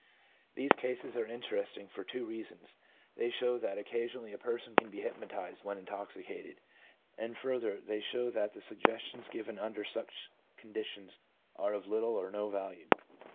These cases are interesting for two reasons: they show that occasionally a person can be hypnotized when intoxicated ; and further, they show that the suggestions given under such conditions are of little or no value.